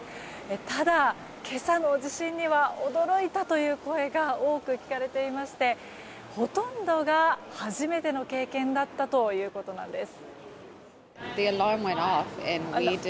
ただ、今朝の地震には驚いたという声が多く聞かれていましてほとんどが初めての経験だったということなんです。